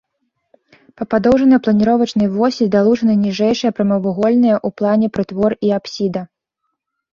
Па падоўжнай планіровачнай восі далучаны ніжэйшыя прамавугольныя ў плане прытвор і апсіда.